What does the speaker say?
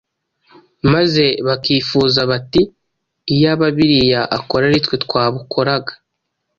maze bakifuza bati iyaba biriya akora ari twe twabokoraga.